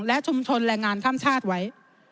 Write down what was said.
และชุมชนแรงงานข้ามชาติไว้